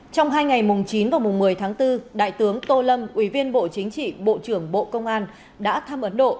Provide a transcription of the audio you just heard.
trong hai ngày mùng chín và mùng một mươi tháng bốn đại tướng tô lâm ủy viên bộ chính trị bộ trưởng bộ công an đã thăm ấn độ